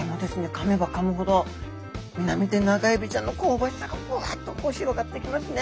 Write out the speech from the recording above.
かめばかむほどミナミテナガエビちゃんの香ばしさがぶわっとこう広がってきますね。